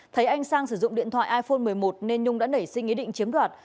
thấy anh sang sử dụng điện thoại iphone một mươi một nên nhung đã nảy sinh ý định chiếm đoạt